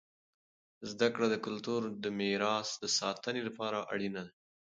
زده کړه د کلتور د میراث د ساتنې لپاره اړینه دی.